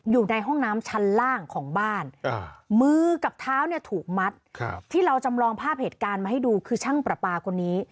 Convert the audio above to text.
อยู่ในห้องน้ำชั้นล่างของบ้านมือกับเท้าเนี่ยถูกมัดที่เราจำลองภาพเหตุการณ์มาให้ดูคือช่างประปาคนนี้